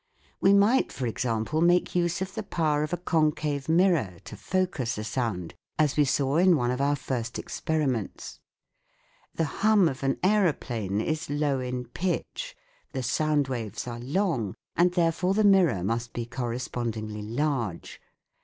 We might, for example, make use of the power of a concave mirror to focus a sound, as we saw in one of our first experiments (p. 28, Fig. 16). The hum of an aeroplane is low in pitch, the sound waves are long, and therefore the mirror must be correspondingly large.